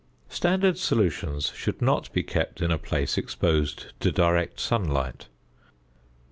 Standard solutions should not be kept in a place exposed to direct sunlight.